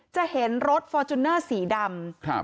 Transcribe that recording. จะเห็นรถฟอร์จูเนอร์สีดำ